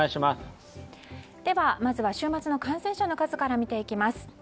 まずは週末の感染者の数から見ていきます。